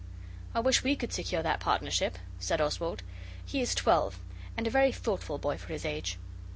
'I wish we could secure that partnership,' said Oswald. He is twelve, and a very thoughtful boy for his age.